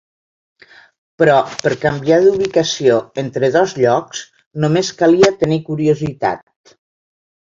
Però per canviar d'ubicació entre dos llocs només calia tenir curiositat.